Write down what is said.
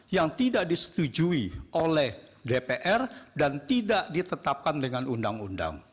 yang tidak disetujui oleh dpr dan tidak ditetapkan dengan undang undang